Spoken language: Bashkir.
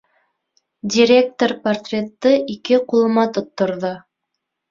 Директор портретты ике ҡулыма тотторҙо.